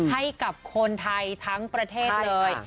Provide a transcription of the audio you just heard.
ให้กับคนไทยทั้งประเทศเลย